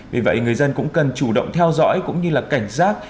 vì vậy người dân cũng cần chủ động theo dõi cũng như là cảnh giác